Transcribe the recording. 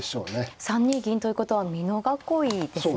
３二銀ということは美濃囲いですね。